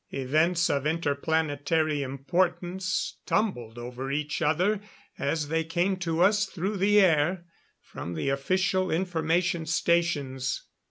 Events of inter planetary importance tumbled over each other as they came to us through the air from the Official Information Stations.